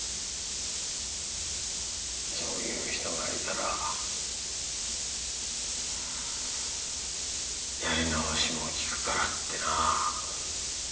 そういう人がいたらやり直しも利くからってな。